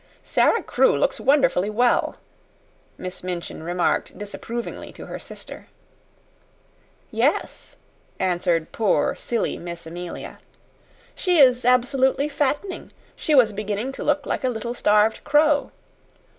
"Sara Crewe looks wonderfully well," Miss Minchin remarked disapprovingly to her sister. "Yes," answered poor, silly Miss Amelia. "She is absolutely fattening. She was beginning to look like a little starved crow."